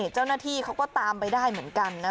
เจ้าหน้าที่เขาก็ตามไปได้เหมือนกันนะ